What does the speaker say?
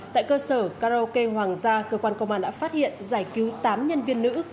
tại cơ sở karaoke hoàng gia cơ quan công an đã phát hiện giải cứu tám nhân viên nữ